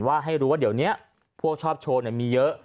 ให้รู้ว่าเดี๋ยวนี้พวกชอบโชว์มีเยอะ